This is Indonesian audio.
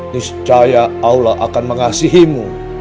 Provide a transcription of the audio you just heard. niscaya allah akan mengasihinmu